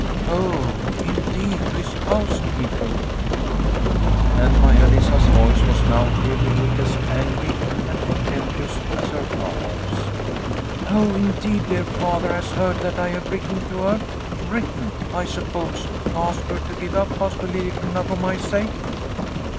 " Oh, indeed, to his housekeeper !" And Maia Lisa's voice was now every whit as angry and contemptuous as her father's. " Oh, indeed, dear Father has heard that I have written to her, written, I suppose, to ask her to give up Pastor Liliecrona for my sake